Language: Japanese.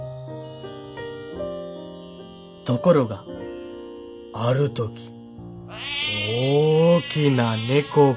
「ところがある時大きな猫が」。